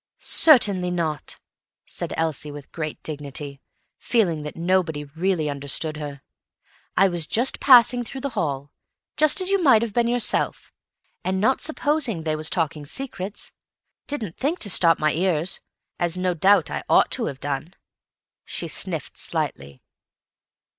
"Certainly not," said Elsie with dignity, feeling that nobody really understood her. "I was just passing through the hall, just as you might have been yourself, and not supposing they was talking secrets, didn't think to stop my ears, as no doubt I ought to have done." And she sniffed slightly.